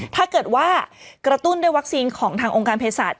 ถ้าเกิดว่ากระตุ้นด้วยวัคซีนของทางองค์การเพศศาสต